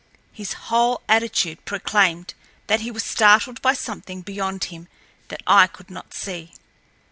His whole attitude proclaimed that he was startled by something beyond him that I could not see.